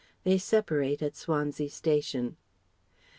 They separate at Swansea station.